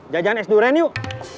jajan es duren yuk